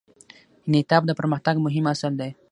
انعطاف د پرمختګ مهم اصل دی.